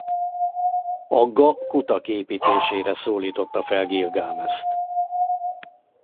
Agga kutak építésére szólította fel Gilgamest.